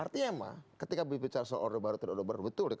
artinya ketika bicara soal order baru tidak order baru betul